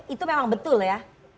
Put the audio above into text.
itu memang betul ya